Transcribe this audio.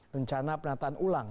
rencana penataan ulang